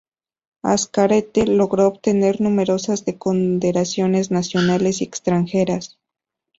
Azcárate logró obtener numerosas condecoraciones nacionales y extranjeras.